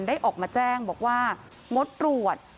ได้ออกมาแจ้งบอกว่ามดตรวจ